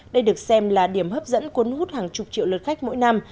đây được xem là điểm hấp dẫn cuốn hút hàng chục triệu lượt khách mỗi năm